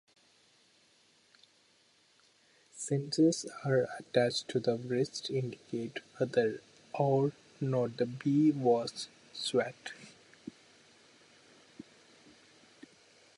Sensors attached to the wrist indicate whether or not the "bee" was swatted.